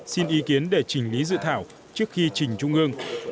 xin ý kiến để chỉnh lý dự thảo trước khi trình trung ương